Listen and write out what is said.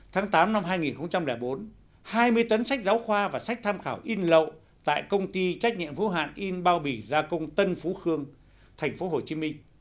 tháng tám năm hai nghìn bốn hai mươi tấn sách giáo khoa và sách tham khảo in lậu tại công ty trách nhiệm hữu hạn in bao bỉ gia công tân phú khương tp hcm